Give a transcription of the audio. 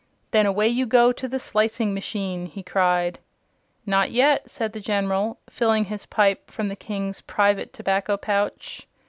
"Then away you go to the slicing machine!" he cried. "Not yet," said the General, filling his pipe from the King's private tobacco pouch.